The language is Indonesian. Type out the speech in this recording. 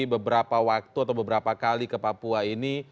beberapa waktu atau beberapa kali ke papua ini